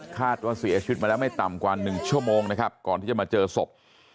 คาดว่าเสียชีวิตมาแล้วไม่ต่ำกว่า๑ชั่วโมงนะครับก่อนที่จะมาเจอศพ